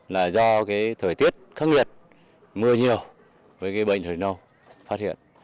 là do thời tiết khắc nghiệt mưa nhiều với bệnh hồi nâu phát hiện